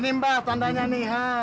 ini mbah tandanya nih ha